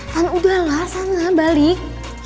van udah lah sana balik